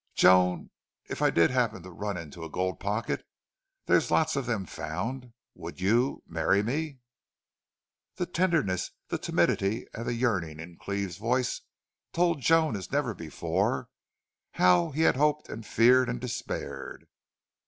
"Joan, if I did happen to run into a gold pocket there're lots of them found would you marry me?" The tenderness, the timidity, and the yearning in Cleve's voice told Joan as never before how he had hoped and feared and despaired.